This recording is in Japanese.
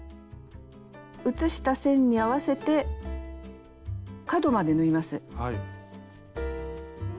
写した線に合わせて角まで縫います。